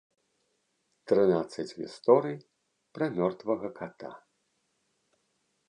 Трынаццаць гісторый пра мёртвага ката.